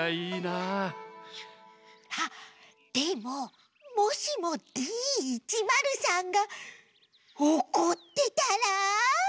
あっでももしもＤ１０３がおこってたら？